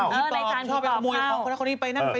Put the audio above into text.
เออในทรานมีผีปอบเข้า